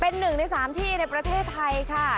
เป็นหนึ่งใน๓ที่ในประเทศไทยค่ะ